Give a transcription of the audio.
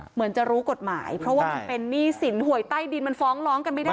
เหมือนจะรู้กฎหมายเพราะว่ามันเป็นหนี้สินหวยใต้ดินมันฟ้องร้องกันไม่ได้